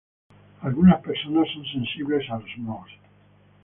Algunas personas son sensibles a los mohos.